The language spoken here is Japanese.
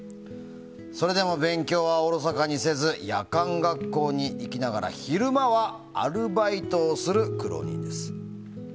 それでも勉強はおろそかにせず夜間学校に行きながら昼間はアルバイトをする苦労人です。